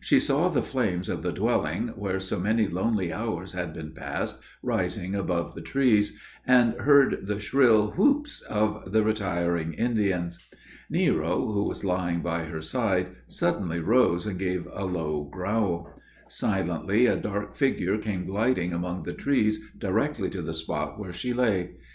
She saw the flames of the dwelling, where so many lonely hours had been passed, rising above the trees, and heard the shrill "whoops" of the retiring Indians. Nero, who was lying by her side, suddenly rose and gave a low growl. Silently a dark figure came gliding among the trees directly to the spot where she lay.